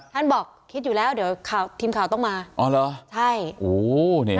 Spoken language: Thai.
ท่านบอกคิดอยู่แล้วเดี๋ยวทีมข่าวต้องมาอ๋อเหรอใช่โอ้นี่ค่ะ